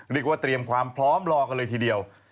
เรียกว่าเตรียมความพร้อมรอกันเลยทีเดียว